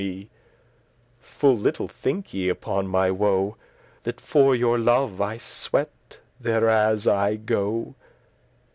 *mistress Full little thinke ye upon my woe, That for your love I sweat *there as* I go.